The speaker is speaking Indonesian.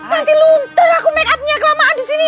nanti luntur aku make up nya kelamaan di sini